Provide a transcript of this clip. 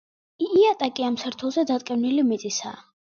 იატაკი ამ სართულზე დატკეპნილი მიწისაა.